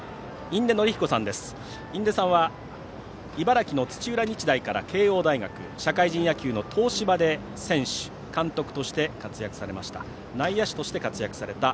印出さんは茨城の土浦日大から慶応大学社会人野球の東芝で選手、監督として活躍されました。